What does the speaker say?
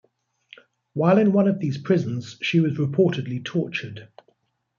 While in one of these prisons she was reportedly tortured.